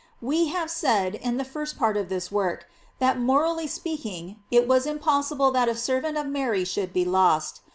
We have said, in the first part of this work, that morally speak ing it was impossible that a servant of Mary should be lost.